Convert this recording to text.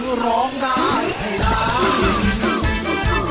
ก็ร้องได้ไอล่า